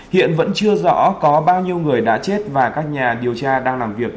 hiện vẫn chưa rõ có bao nhiêu người đã chết và các nhà điều tra đang làm việc